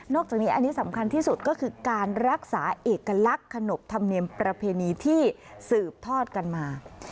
จากนี้อันนี้สำคัญที่สุดก็คือการรักษาเอกลักษณ์ขนบธรรมเนียมประเพณีที่สืบทอดกันมา